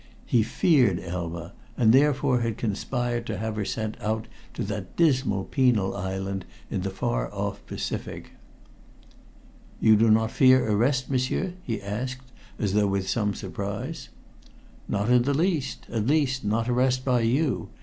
He feared Elma, and therefore had conspired to have her sent out to that dismal penal island in the far off Pacific. "You do not fear arrest, m'sieur?" he asked, as though with some surprise. "Not in the least at least, not arrest by you.